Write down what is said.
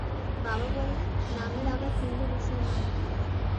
বাবা বললেন, নামের আবার হিন্দু-মুসলমান কি?